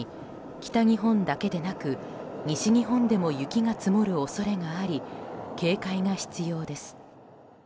北日本だけでなく西日本でも雪が積もる恐れがあり警戒が必要です。